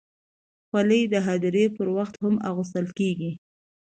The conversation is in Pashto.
خولۍ د هدیرې پر وخت هم اغوستل کېږي.